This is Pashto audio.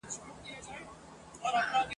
جهاني اوس دي په کوڅو کي پلونه نه وینمه ..